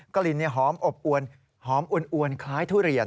กลิ่นหอมอบอวนหอมอวนคล้ายทุเรียน